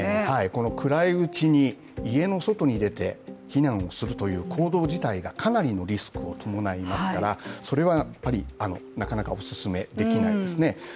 くらいうちに家の外に出て避難をするということ自体がかなりのリスクを伴いますから、それはなかなかお勧めできないですね。